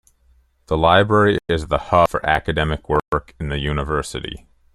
The Library is the hub for academic work in the University.